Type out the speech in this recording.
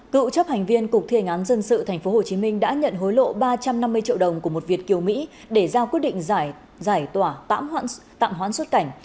cựu chấp hành viên cục thi hành án dân sự tp hcm đã nhận hối lộ ba trăm năm mươi triệu đồng của một việt kiều mỹ để giao quyết định giải tỏa tạm hoãn xuất cảnh